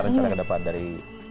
iya rencana kedepan dari